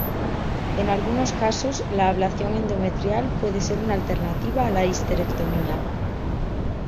En algunos casos, la ablación endometrial puede ser una alternativa a la histerectomía.